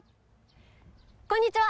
こんにちは。